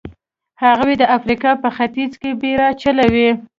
هغوی د افریقا په ختیځ کې بېړۍ چلولې.